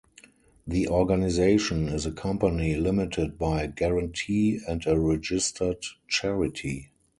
The organisation is a company Limited By Guarantee and a registered charity.